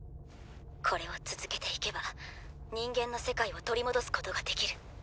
これを続けていけば人間の世界を取り戻すことができる。